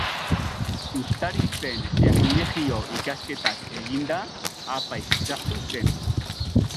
Uztaritzen erlijio-ikasketak eginda, apaiz sartu zen.